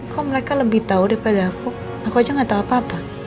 kok mereka lebih tahu daripada aku aku aja nggak tahu apa apa